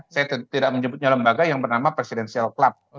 saya tidak menyebutnya lembaga yang bernama presidential club